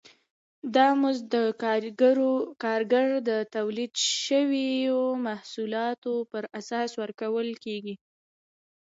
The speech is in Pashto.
دا مزد د کارګر د تولید شویو محصولاتو پر اساس ورکول کېږي